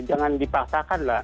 jangan dipaksakan lah